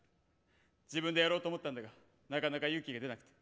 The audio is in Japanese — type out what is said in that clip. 自分でやろうと思ったんだがなかなか勇気が出なくて。